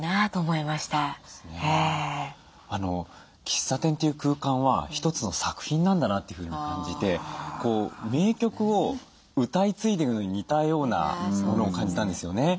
喫茶店という空間は一つの作品なんだなというふうに感じて名曲を歌い継いでいくのに似たようなものを感じたんですよね。